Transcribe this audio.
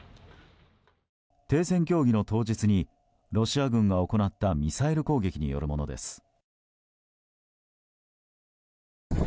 停戦協議の当日にロシア軍が行ったミサイル攻撃によるものです。